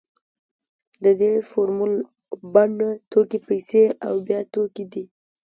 د دې فورمول بڼه توکي پیسې او بیا توکي ده